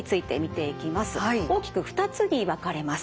大きく２つに分かれます。